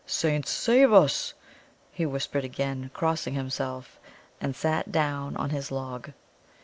"Saints save us!" he whispered again, crossing himself, and sat down on his log.